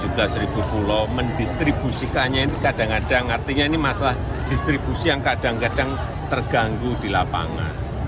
kalau mendistribusikannya ini kadang kadang artinya ini masalah distribusi yang kadang kadang terganggu di lapangan